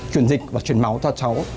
chuyển dịch và chuyển máu cho cháu